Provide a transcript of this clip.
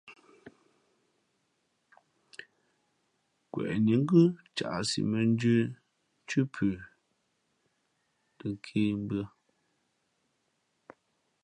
Nkweʼnǐ ngʉ́ caʼsi mᾱndjə̄ nthʉ́ pʉ tαkēmbʉ̄ᾱ.